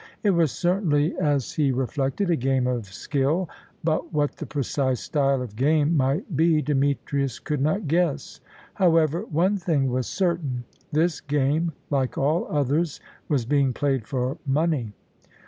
It was certainly, as he reflected, a game of skill, but what the precise style of game might be Demetrius could not guess. However, one thing was certain; this game, like all others, was being played for money.